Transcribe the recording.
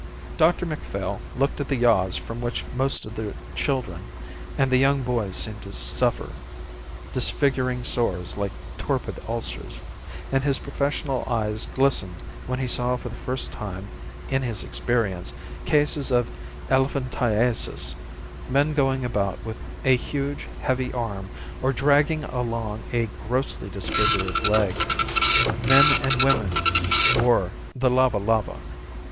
Dr Macphail looked at the yaws from which most of the children and the young boys seemed to suffer, disfiguring sores like torpid ulcers, and his professional eyes glistened when he saw for the first time in his experience cases of elephantiasis, men going about with a huge, heavy arm or dragging along a grossly disfigured leg. Men and women wore the lava lava.